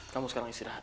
kamu sekarang istirahat